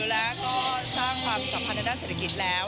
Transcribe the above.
แล้วก็สร้างความสัมพันธ์ทางด้านเศรษฐกิจแล้ว